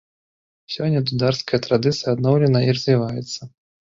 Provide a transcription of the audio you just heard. Сёння дударская традыцыя адноўлена і развіваецца.